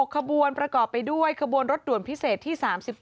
ขบวนประกอบไปด้วยขบวนรถด่วนพิเศษที่๓๗